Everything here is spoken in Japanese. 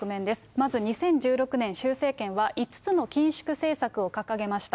まず２０１６年、習政権は５つの緊縮政策を掲げました。